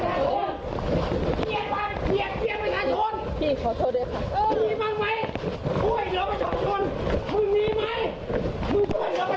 หยุดไอ่แจนมึงก็ได้ไม้เภาทูนาเราก่อน